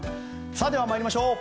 では参りましょう。